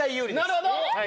なるほど！